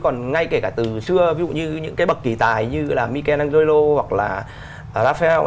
còn ngay kể cả từ xưa ví dụ như những cái bậc kỳ tài như là michelangelo hoặc là raphael